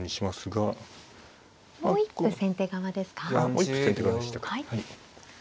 もう一歩先手側でしたか。